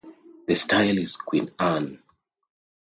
The style is Queen Anne.